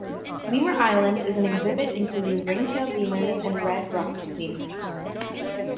"Lemur Island" is an exhibit including ring-tailed lemurs and red-ruffed lemurs.